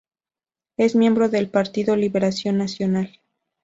Es miembro del Partido Liberación Nacional.